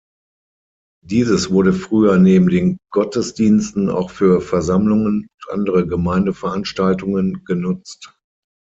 Dieses wurde früher neben den Gottesdiensten auch für Versammlungen und andere Gemeindeveranstaltungen genutzt.